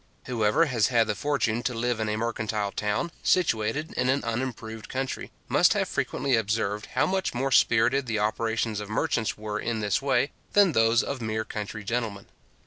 Whoever has had the fortune to live in a mercantile town, situated in an unimproved country, must have frequently observed how much more spirited the operations of merchants were in this way, than those of mere country gentlemen.